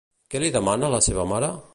Què li demana a la seva mare?